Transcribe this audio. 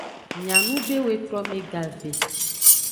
Mianube wetrome gave.